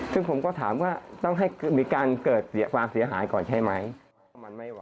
ซึ่งผมก็ถามว่าต้องให้มีการเกิดความเสียหายก่อนใช่ไหม